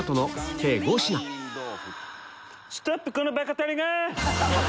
このバカタレが！